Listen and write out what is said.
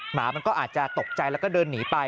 หมามันก็อาจจะตกใจแล้วก็เดินหนีไป